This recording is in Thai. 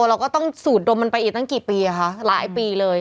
เราก็ต้องสูดดมมันไปอีกตั้งกี่ปีอะคะหลายปีเลย